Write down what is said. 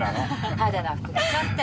派手な服着ちゃって。